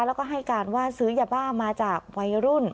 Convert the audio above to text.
แล้วก็ให้การว่าซื้อยาบ้ามาจากวัยรุ่น